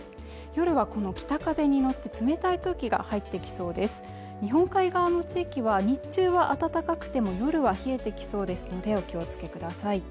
夜はこの北風に乗って冷たい空気が入ってきそうです日本海側の地域は日中は暖かくても夜は冷えてきそうですのでお気をつけください